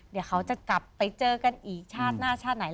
เดี๋ยวเขาจะกลับไปเจอกันอีกชาติหน้าชาติไหน